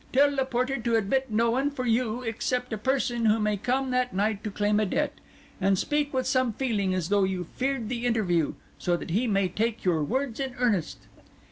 Tell the porter to admit no one for you, except a person who may come that night to claim a debt; and speak with some feeling, as though you feared the interview, so that he may take your words in earnest."